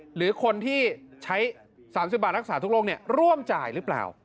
หรือคนที่ใช้๓๐บาทรักษาทุกโรคร่วมจ่ายหรือเปล่า